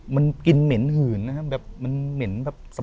มันกินเหม็นหื่นนะครับแบบมันเหม็นแบบ